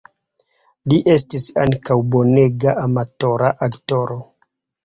Li estis ankaŭ bonega amatora aktoro.